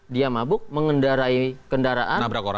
dia mabuk mengendarai kendaraan